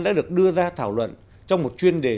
đã được đưa ra thảo luận trong một chuyên đề